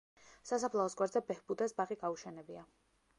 სასაფლაოს გვერდზე ბეჰბუდას ბაღი გაუშენებია.